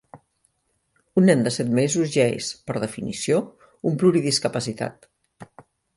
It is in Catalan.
Un nen de set mesos ja és, per definició, un pluridiscapacitat.